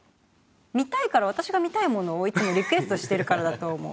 見たいから私が見たいものをいつもリクエストしてるからだと思う。